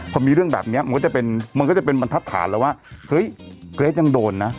พอมีเรื่องแบบนี้มันก็จะเป็นมันทับฐานแล้วว่าเฮ้ยเกรทยังโดนนะ